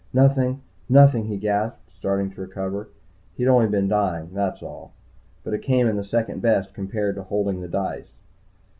"Nothing, nothing," he gasped, starting to recover. He'd only been dying, that's all. But it came in second best compared to holding the dice.